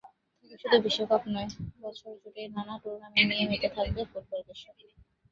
তবে শুধু বিশ্বকাপই নয়, বছরজুড়েই নানা টুর্নামেন্ট নিয়ে মেতে থাকবে ফুটবল-বিশ্ব।